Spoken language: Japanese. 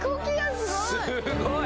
すごい！